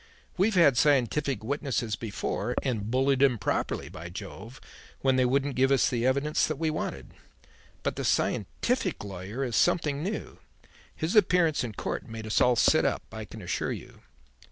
We've had scientific witnesses before and bullied 'em properly, by Jove! when they wouldn't give the evidence that we wanted. But the scientific lawyer is something new. His appearance in court made us all sit up, I can assure you."